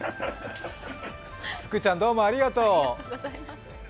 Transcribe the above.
福ちゃんどうもありがとう。